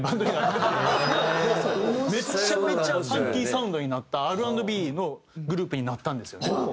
めちゃめちゃファンキーサウンドになったＲ＆Ｂのグループになったんですよね。